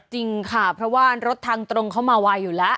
จริงค่ะเพราะว่ารถทางตรงเข้ามาไวอยู่แล้ว